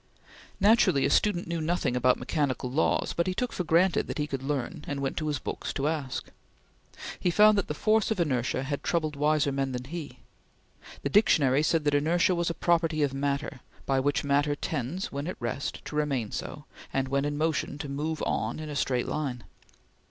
Naturally a student knew nothing about mechanical laws, but he took for granted that he could learn, and went to his books to ask. He found that the force of inertia had troubled wiser men than he. The dictionary said that inertia was a property of matter, by which matter tends, when at rest, to remain so, and, when in motion, to move on in a straight line.